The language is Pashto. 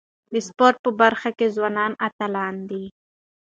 د سپورت په برخه کي ځوانان اتلان دي.